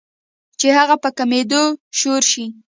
چې هغه پۀ کمېدو شورو شي